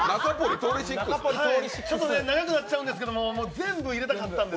ちょっとね、長くなっちゃうんですけど全部入れたかったんです。